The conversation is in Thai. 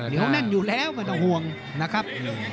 เดี๋ยวแน่นอยู่แล้วไม่ต้องห่วงนะครับ